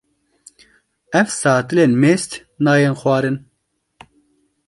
Ev satilên mêst nayên xwarin.